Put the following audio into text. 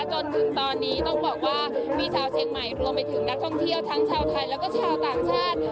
จนถึงตอนนี้ต้องบอกว่ามีชาวเชียงใหม่รวมไปถึงนักท่องเที่ยวทั้งชาวไทยแล้วก็ชาวต่างชาติ